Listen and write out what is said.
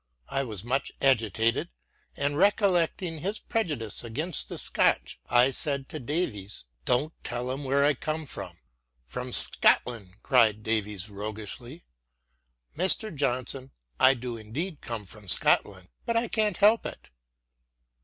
I was much agitated, and recollecting his prejudice agamst the Scotch I said to Davies, " Don't tell where I come from." " From Scotland," cried Davies, roguishly. " Mr. Johnson, I do indeed come from Scotland, but I cannot help it."